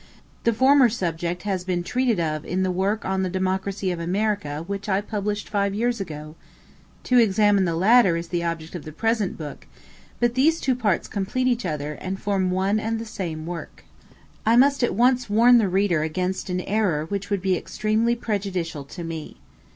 The former subject has been treated of in the work on the Democracy of America, which I published five years ago; to examine the latter is the object of the present book; but these two parts complete each other, and form one and the same work. I must at once warn the reader against an error which would be extremely prejudicial to me.